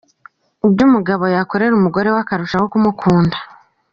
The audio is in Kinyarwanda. Ibyo umugabo yakorera umugore we akarushaho kumukunda.